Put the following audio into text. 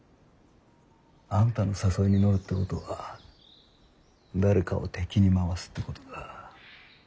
あんたの誘いに乗るってことは誰かを敵に回すってことだ。